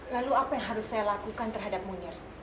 lalu apa yang harus saya lakukan terhadap munir